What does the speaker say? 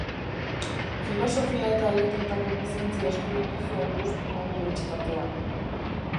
Filosofia eta Letretako lizentzia eskuratu zuen Deustuko Unibertsitatean.